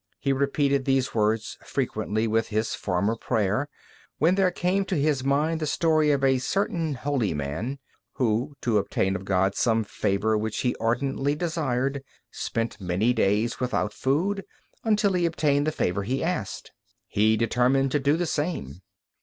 He repeated these words frequently with his former prayer, when there came to his mind the story of a certain holy man, who, to obtain of God some favor which he ardently desired, spent many days without food, until he obtained the favor he asked. He determined to do the same.